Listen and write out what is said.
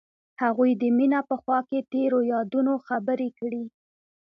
هغوی د مینه په خوا کې تیرو یادونو خبرې کړې.